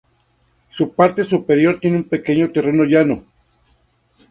Su parte superior tiene un pequeño terreno llano.